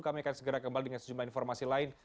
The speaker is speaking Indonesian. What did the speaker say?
kami akan segera kembali dengan sejumlah informasi lain